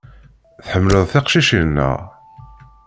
Tḥemmleḍ tiqcicin, naɣ?